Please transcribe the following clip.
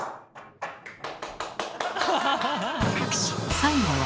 最後は。